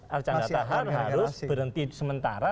karena canda tahan harus berhenti sementara